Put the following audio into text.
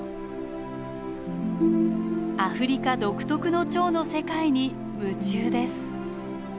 アフリカ独特のチョウの世界に夢中です。